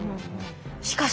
しかし